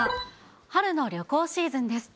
春の旅行シーズンです。